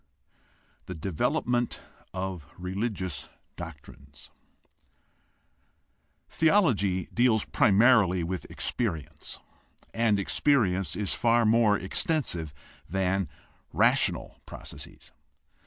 THE DEVELOPMENT OF RELIGIOUS DOCTRINES Theology deals primarily with experience, and experience is far more extensive than rational processes.